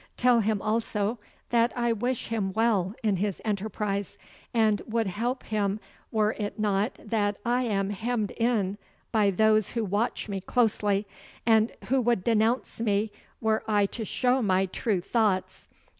Tell him also that I wish him well in his enterprise, and would help him were it not that I am hemmed in by those who watch me closely, and who would denounce me were I to show my true thoughts.